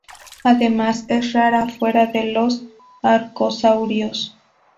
Además, es rara fuera de los arcosaurios.